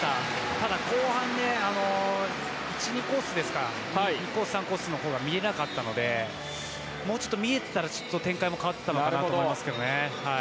ただ、後半で２コース、３コースのほうが見えなかったのでもうちょっと見えていたら展開も変わっていたのかなと思いますね。